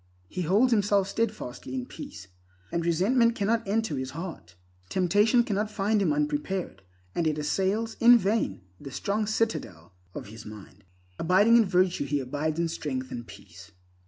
He holds himself steadfastly in peace, and resentment cannot enter his heart. Temptation does not find him unprepared, and it assails in vain the strong citadel of his mind. Abiding in virtue, he abides in strength and peace.